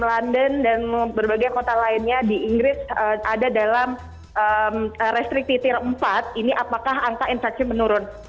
london dan berbagai kota lainnya di inggris ada dalam restrik titir empat ini apakah angka infeksi menurun